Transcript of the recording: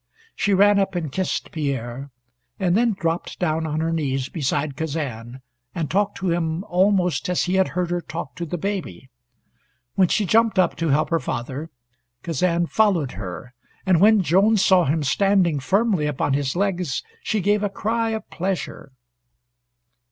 She ran up and kissed Pierre, and then dropped down on her knees beside Kazan, and talked to him almost as he had heard her talk to the baby. When she jumped up to help her father, Kazan followed her, and when Joan saw him standing firmly upon his legs she gave a cry of pleasure.